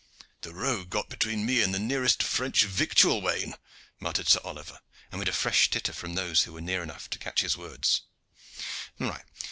"The rogue got between me and the nearest French victual wain," muttered Sir Oliver, amid a fresh titter from those who were near enough to catch his words.